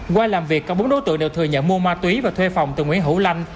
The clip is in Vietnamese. qua làm việc các bốn đối tượng đều thừa nhận mua ma túy và thuê phòng từ nguyễn hữu lanh